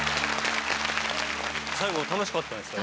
最後楽しかったんですか？